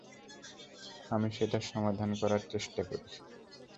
আমি সেটার সমাধান করার চেষ্টা করি।